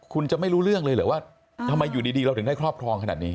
คุณจะไม่รู้เรื่องเลยเหรอว่าทำไมอยู่ดีเราถึงได้ครอบครองขนาดนี้